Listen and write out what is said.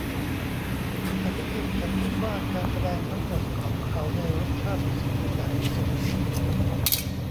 อันที่จริงฉันคิดว่าการแสดงทั้งหมดของเขาในรสชาติที่สมบูรณ์แบบที่สุด